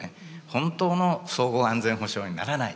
本当の総合安全保障にならないと。